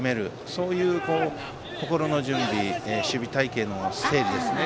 そういう心の準備守備隊形の整理ですね。